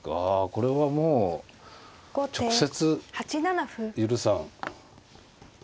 これはもう直接許さん。